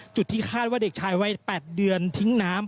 ที่คาดว่าเด็กชายวัย๘เดือนทิ้งน้ำ